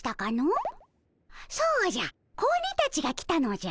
そうじゃ子鬼たちが来たのじゃ。